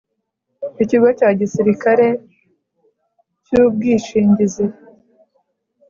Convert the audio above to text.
Ikigo cya Gisirikare cy Ubwishingizi